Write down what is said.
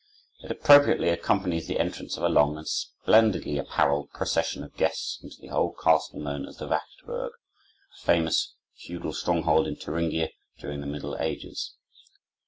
It appropriately accompanies the entrance of a long and splendidly appareled procession of guests into the old castle known as the Wacht Burg, a famous feudal stronghold in Thuringia during the middle ages.